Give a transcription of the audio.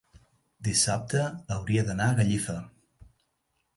dissabte hauria d'anar a Gallifa.